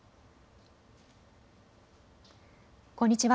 こんにちは。